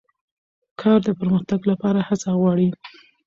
کار د پرمختګ لپاره هڅه غواړي